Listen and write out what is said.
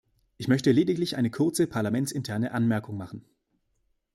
Ich möchte lediglich eine kurze parlamentsinterne Anmerkung machen.